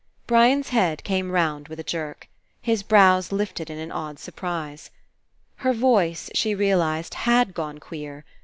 Brian's head came round with a jerk. His brows lifted In an odd surprise. Her voice, she realized, had gone queer.